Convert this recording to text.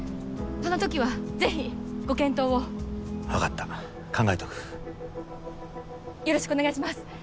その時は是非ご検討を分かった考えとくよろしくお願いします